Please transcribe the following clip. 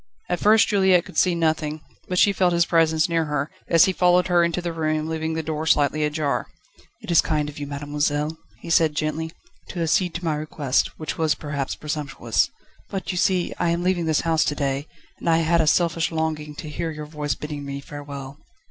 At first Juliette could see nothing, but she felt his presence near her, as he followed her into the room, leaving the door slightly ajar. "It is kind of you, mademoiselle," he said gently, "to accede to my request, which was perhaps presumptuous. But, you see, I am leaving this house to day, and I had a selfish longing to hear your voice bidding me farewell."